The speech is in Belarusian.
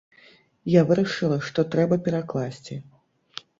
Я вырашыла, што трэба перакласці.